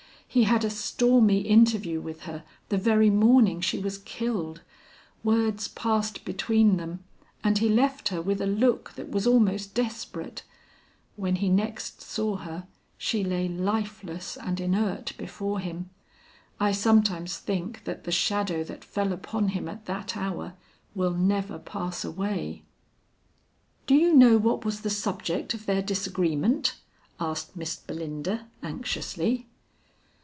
He had a stormy interview with her the very morning she was killed; words passed between them, and he left her with a look that was almost desperate. When he next saw her, she lay lifeless and inert before him. I sometimes think that the shadow that fell upon him at that hour will never pass away." "Do you know what was the subject of their disagreement?" asked Miss Belinda anxiously.